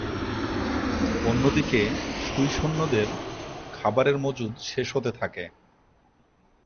অন্যদিকে সুই সৈন্যদের খাবারের মজুদ শেষ হতে থাকে।